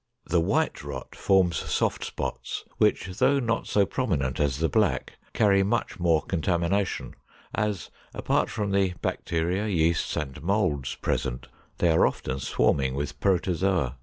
The white rot forms soft spots, which, though not so prominent as the black, carry much more contamination, as, apart from the bacteria, yeasts, and molds present, they are often swarming with Protozoa.